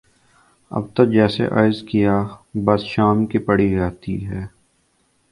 اب تو جیسے عرض کیا بس شام کی پڑی رہتی ہے